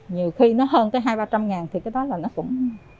nhiều khi nó hơn cái hai trăm linh ba trăm linh ngàn thì cái đó là nó cũng